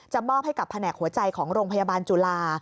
มอบให้กับแผนกหัวใจของโรงพยาบาลจุฬา